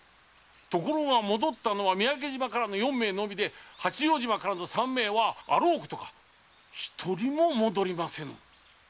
ところが戻ったのは三宅島からの四名のみで八丈島からの三名はあろうことか一人も戻りませぬ。